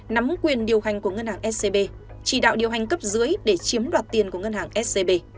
nắm quyền điều hành của ngân hàng scb chỉ đạo điều hành cấp dưới để chiếm đoạt tiền của ngân hàng scb